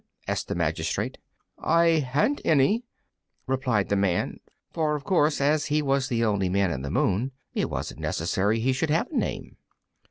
asked the magistrate. "I haven't any," replied the Man; for of course as he was the only Man in the Moon it wasn't necessary he should have a name.